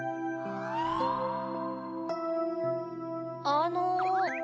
あの。